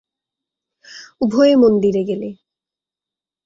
উভয়ে মন্দিরে গেলেন।